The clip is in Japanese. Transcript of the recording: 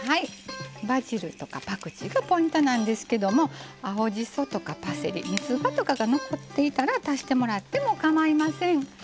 バジルとかパクチーがポイントなんですけども青じそとかパセリみつばとかが残っていたら足してもらってもかまいません。